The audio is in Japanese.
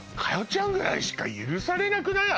ちゃんぐらいしか許されなくない？